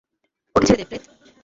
ওকে ছেঁড়ে দে, প্রেত!